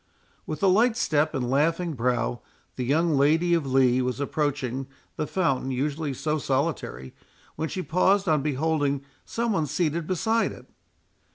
With a light step and laughing brow the young Lady of Lee was approaching, the fountain usually so solitary, when she paused on beholding some one seated beside it.